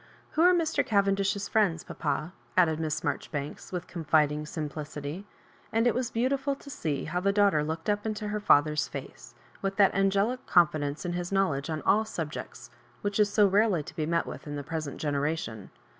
" Who are Mr. Cavendish's friends, papa ?" added Miss Marjoribanks, with confiding simplicity; and it was beautiful to see how the daughter looked up into her father's face, with that angelic confidence in his knowledge on all subjects which is so rarely to be met with in the present generation.